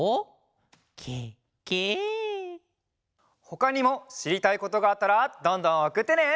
ほかにもしりたいことがあったらどんどんおくってね！